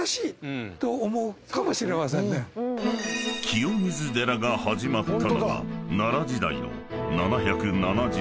［清水寺が始まったのは奈良時代の］